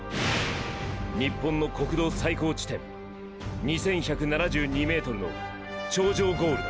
日本の国道最高地点ーー２１７２ｍの頂上ゴールだ。